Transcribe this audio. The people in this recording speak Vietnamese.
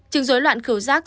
trường rối loạn khứu rác